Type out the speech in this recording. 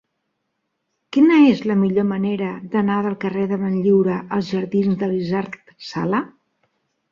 Quina és la millor manera d'anar del carrer de Benlliure als jardins d'Elisard Sala?